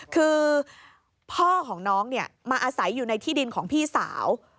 คือพ่อของน้องมาอาศัยอยู่ในที่ดินของพี่สาว